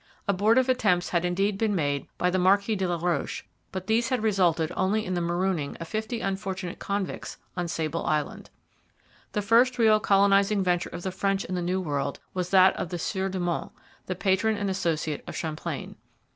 Abortive attempts had indeed been made by the Marquis de la Roche, but these had resulted only in the marooning of fifty unfortunate convicts on Sable Island. The first real colonizing venture of the French in the New World was that of the Sieur de Monts, the patron and associate of Champlain.